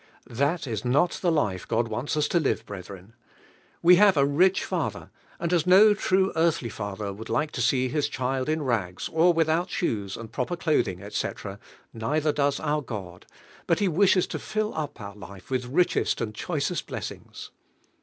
That Is nol the life God wants us to live, brethren. We have a rich Father, and as no true earth ly father would like to see his child in rag»i or without shoes and proper cloth ing, etc., neither does our God; bul He wishes tO fill up hup life willi riHiesi : r ■ i U1VIKE HEAXING. 103 choicest blessings.